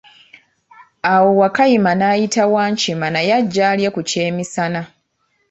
Awo Wakayima n'ayita Wankima naye ajje alye ku ky'emisana.